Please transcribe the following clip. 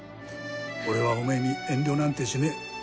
俺はおめに遠慮なんてしねえ。